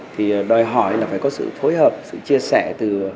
thì đòi hỏi là phải có sự phối hợp sự chia sẻ từ